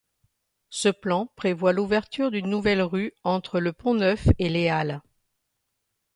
Ce plan prévoit l'ouverture d'une nouvelle rue entre le Pont-Neuf et les Halles.